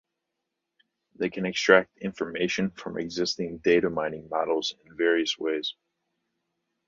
They can extract information from existing data mining models in various ways.